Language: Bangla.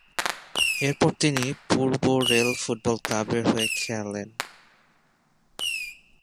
এরপর তিনি পূর্ব রেল ফুটবল ক্লাবের হয়ে খেলেন।